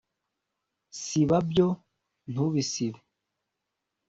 siba byo ntubisibe